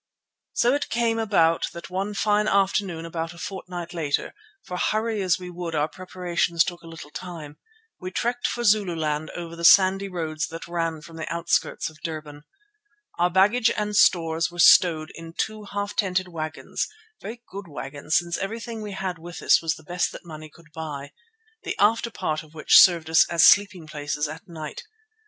So it came about that one fine afternoon about a fortnight later, for hurry as we would our preparations took a little time, we trekked for Zululand over the sandy roads that ran from the outskirts of Durban. Our baggage and stores were stowed in two half tented wagons, very good wagons since everything we had with us was the best that money could buy, the after part of which served us as sleeping places at night.